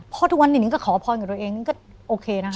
เพราะทุกวันนี้หนึ่งก็ขอพรกับตัวเองก็โอเคนะครับ